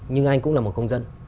nhưng anh cũng là một công dân